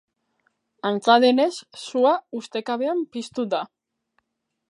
Antza denez, sua ustekabean piztu da.